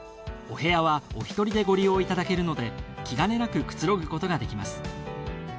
お部屋はおひとりでご利用いただけるので気兼ねなくくつろぐことができます。